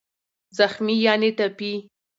زخمي √ ټپي